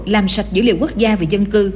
làm sạch dữ liệu quốc gia về dân cư